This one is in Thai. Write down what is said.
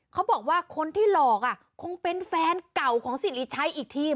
เขาบอกว่าคนที่หลอกคงเป็นแฟนเก่าของสิริชัยอีกที